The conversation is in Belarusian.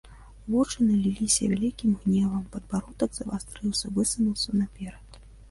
Вочы наліліся вялікім гневам, падбародак завастрыўся, высунуўся наперад.